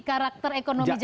karakter ekonomi jakarta